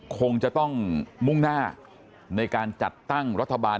คงจะต้องมุ่งหน้าในการจัดตั้งรัฐบาล